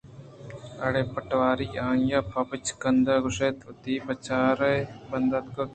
اُڑے پٹواری!!!آئی ءَپہ بچکندے گوٛشت ءُوتی پجّار ئے بنا کُت